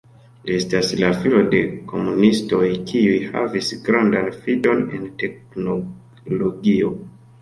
Li estas la filo de komunistoj kiuj havis grandan fidon en teknologio.